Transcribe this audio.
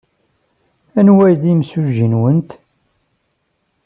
Anwa ay d imsujji-nwent?